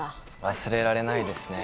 忘れられないですね。